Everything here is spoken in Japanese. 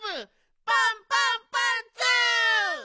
パンパンパンツー！